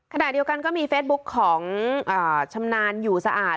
ขณะเดียวกันก็มีเฟซบุ๊กของชำนาญอยู่สะอาด